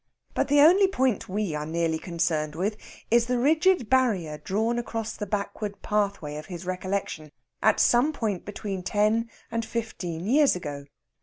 But the only point we are nearly concerned with is the rigid barrier drawn across the backward pathway of his recollection at some period between ten and fifteen years ago.